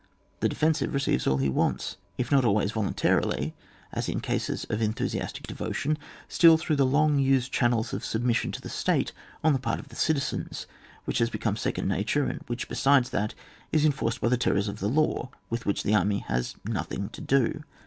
The defensive receives all he wants, if not always voluntarily, as in cases of enthusiastic devotion, still through the long used channels of submission to the state on the part of the citizens, which has become second nature, and which besides that, is enforced by the terrors of the law with which the army has nothing to do.